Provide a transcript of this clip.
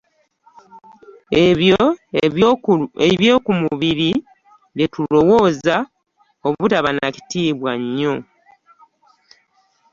Ebyo eby'oku mubiri bye tulowooza obutaba na kitiibwa nnyo.